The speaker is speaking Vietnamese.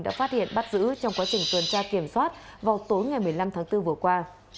đã phát hiện bắt giữ trong quá trình tuần tra kiểm soát vào tối ngày một mươi năm tháng bốn vừa qua